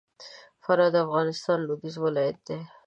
فراه د افغانستان لوېدیځ ولایت دی